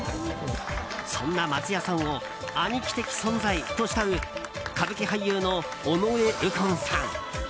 そんな松也さんを兄貴的存在と慕う歌舞伎俳優の尾上右近さん。